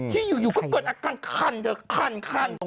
ที่อยู่ก็เกิดกลางเอาคัน